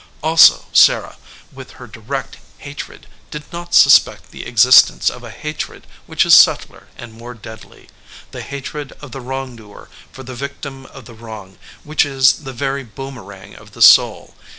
Also Sarah, with her direct hatred, did not suspect the existence of a hatred which is subtler and more deadly, the hatred of the wrong doer for the victim of the wrong, which is the very boomerang of the soul.